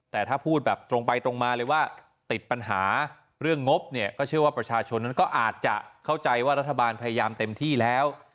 แต่ถ้าพูดตรงไปจมันเลยว่าติดปัญหาเรื่องงบเชื่อว่าประชาชนก็อาจจะเข้าใจว่ารัฐบาลพยายามเต็มที่แล้ว